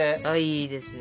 いいですね！